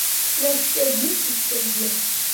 Снаскьагәышьеит саргьы.